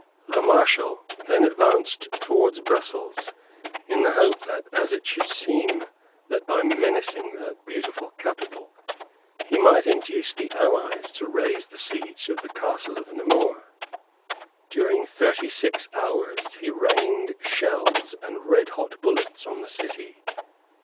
The Marshal then advanced towards Brussels in the hope, as it should seem, that, by menacing that beautiful capital, he might induce the allies to raise the siege of the castle of Namur. During thirty six hours he rained shells and redhot bullets on the city.